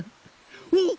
おっ！